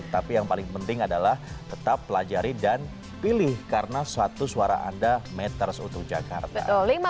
tapi yang paling penting adalah tetap pelajari dan pilih karena suatu suara anda matters untuk jakarta